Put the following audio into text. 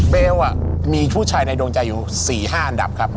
เบลมีผู้ชายในดวงใจอยู่๔๕อันดับครับ